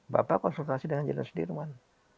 bapak konsultasi dengan jelas sudirman